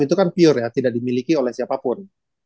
itu kan pure ya tidak dimiliki oleh siapapun